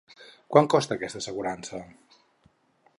Quant costa aquesta assegurança?